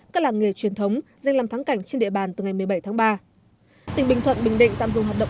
tỉnh bình thuận bình định tạm dùng hoạt động